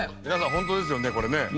ホントですよねこれね。